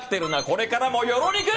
これからもよろぴく！